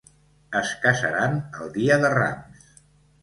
Es casaran el dia de Rams.